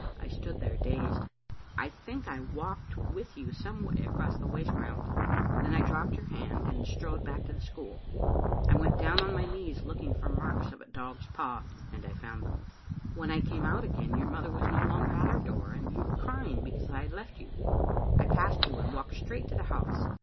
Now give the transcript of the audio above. I stood there, dazed. "I think I walked with you some way across the waste ground. Then I dropped your hand and strode back to the school. I went down on my knees, looking for marks of a dog's paws, and I found them. " When I came out again your mother was no longer at our door, and you were crying because I had left you. I passed you and walked straight to the house.